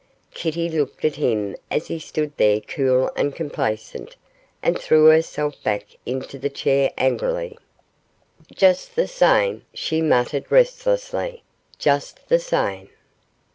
Kitty looked at him as he stood there cool and complacent, and threw herself back into the chair angrily. 'Just the same,' she muttered restlessly, 'just the same.